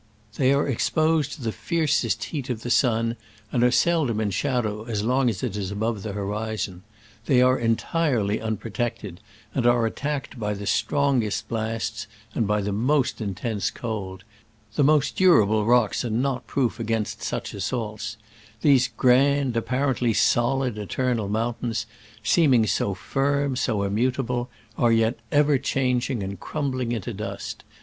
They are exposed to the fiercest heat of the sun, and are sel dom in shadow as long as it is above the horizon. They arQjaati*"ely unprotected. Digitized by y Google 114 SCRAMBLES AMONGST THE ALPS IN 1860 ^69. and are attacked by the strongest blasts and by the most intense cold. The most durable rocks are not proof against such assaults. These grand, apparent ly solid, eternal mountains, seeming so firm, so immutable, are yet ever chang ing and crumbling into dust.